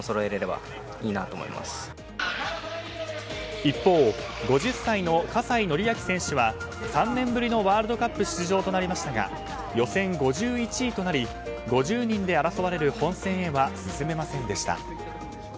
一方、５０歳の葛西紀明選手は３年ぶりのワールドカップ出場となりましたが予選５１位となり５０人で争われる本戦へは進めませんでした。